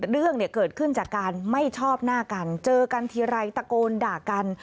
เรื่องเนี่ยเกิดขึ้นจากการไม่ชอบหน้ากันเจอกันทีไรตะโกนด่ากัน